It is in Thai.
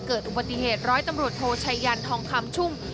เกิดอุบัติเหตุร้อยตำรวจโทชัยยันทองคำชุ่ม